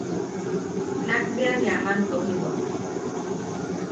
Nakbea ne aman tojiwak: